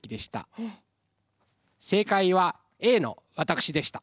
正解はＡの私でした。